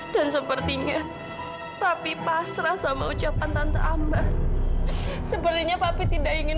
sepertinya tapi pasrah sama ucapan tante ambar sepertinya papi tidak ingin